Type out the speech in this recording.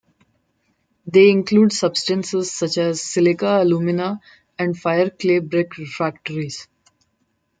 They include substances such as silica, alumina, and fire clay brick refractories.